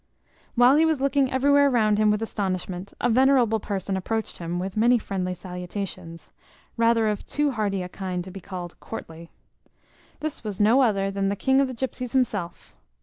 While he was looking everywhere round him with astonishment, a venerable person approached him with many friendly salutations, rather of too hearty a kind to be called courtly. This was no other than the king of the gypsies himself.